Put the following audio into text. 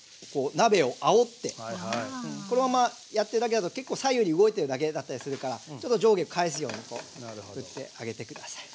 このままやってるだけだと結構左右に動いてるだけだったりするからちょっと上下返すように振ってあげて下さい。